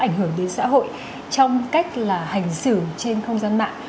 ảnh hưởng đến xã hội trong cách là hành xử trên không gian mạng